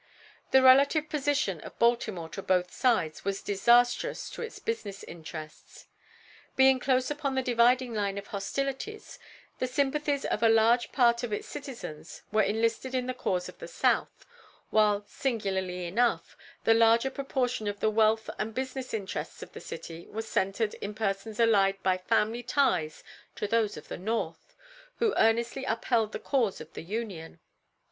The relative position of Baltimore to both sides was disastrous to its business interests; being close upon the dividing line of hostilities, the sympathies of a large part of its citizens were enlisted in the cause of the South, while, singularly enough, the larger proportion of the wealth and business interests of the city was centered in persons allied by family ties to those of the North, who earnestly upheld the cause of the Union.